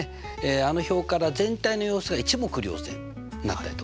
あの表から全体の様子が一目瞭然になったりとかね